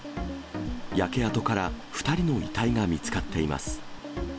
焼け跡から２人の遺体が見つかっています。